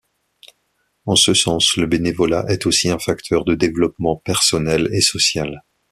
En ce sens, le bénévolat est aussi un facteur de développement personnel et social.